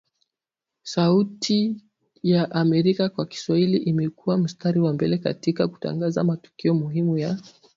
Sauti tya Amerika kwa Kiswahili imekua mstari wa mbele katika kutangaza matukio muhimu ya